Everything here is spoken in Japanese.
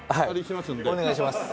お願いします。